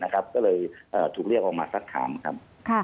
ก็เลยถูกเรียกออกมาสักถามครับ